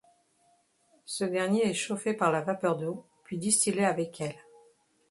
Ce dernier est chauffé par la vapeur d’eau puis distillé avec elle.